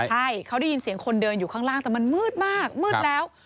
ใช่เขาได้ยินเสียงคนเดินอยู่ข้างล่างแต่มันมืดมากมืดแล้ว